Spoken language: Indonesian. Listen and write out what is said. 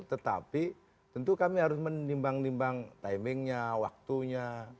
tetapi tentu kami harus menimbang nimbang timingnya waktunya